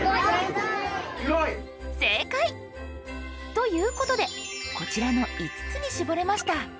正解！ということでこちらの５つに絞れました。